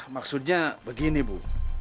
maksudnya begini bu